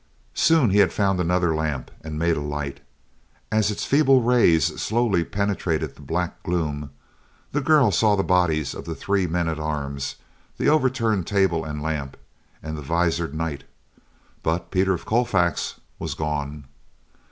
Soon he had found another lamp and made a light. As its feeble rays slowly penetrated the black gloom, the girl saw the bodies of the three men at arms, the overturned table and lamp, and the visored knight; but Peter of Colfax was gone.